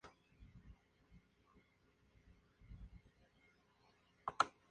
Las provincias no citadas seguían el sistema de medidas de Castilla.